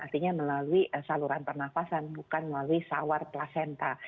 artinya melalui saluran pernafasan bukan melalui sawar placenta